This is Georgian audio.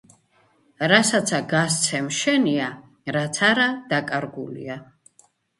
რასაცა გასცემ შენია, რაც არა დაკარგულია